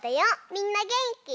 みんなげんき？